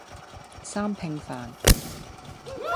三拼飯